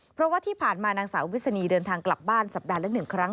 เพราะว่าที่ผ่านมานางสาววิศนีเดินทางกลับบ้านสัปดาห์ละ๑ครั้ง